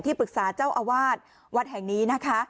ปรึกษาเจ้าอาวาสวัดแห่งนี้นะคะ